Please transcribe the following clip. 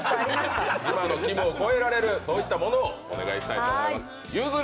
今のきむを超えられる、そういったものをお願いしたいと思います。